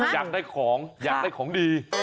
อยากได้ของอยากได้ของดี